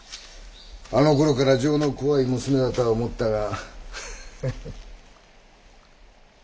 あのころから情のこわい娘だとは思ったが。